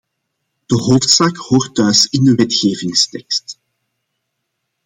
De hoofdzaak hoort thuis in de wetgevingstekst.